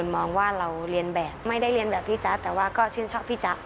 ไม่ได้เรียนแบบพี่จ๊ะแต่ว่าก็ชื่นชอบพี่จ๊ะ